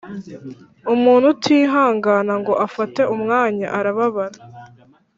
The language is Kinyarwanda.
umuntu utihangana, ngo afate umwanya arababara